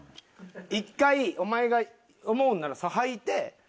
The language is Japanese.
一回お前が思うんならはいて。